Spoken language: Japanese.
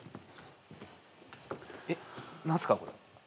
えっ何すかこれ。